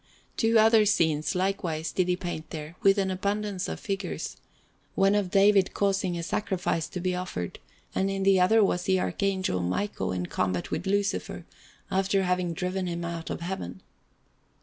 Two other scenes, likewise, did he paint there, with an abundance of figures; one of David causing a sacrifice to be offered, and in the other was the Archangel Michael in combat with Lucifer, after having driven him out of Heaven.